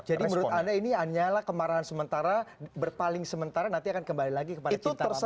jadi menurut anda ini hanyalah kemarahan sementara berpaling sementara nanti akan kembali lagi kepada cinta ramahnya